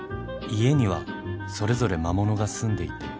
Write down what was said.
家にはそれぞれ魔物が住んでいて。